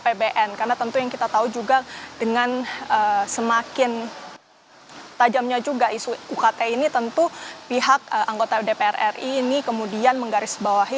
karena tentu yang kita tahu juga dengan semakin tajamnya juga isu ukt ini tentu pihak anggota dpr ri ini kemudian menggarisbawahi